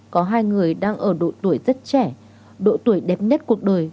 có hai người đang ở độ tuổi rất trẻ độ tuổi đẹp nhất cuộc đời